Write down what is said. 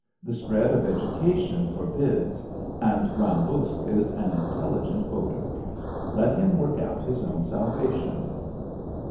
The spread of education forbids, and Ram Buksh is an intelligent voter. Let him work out his own salvation."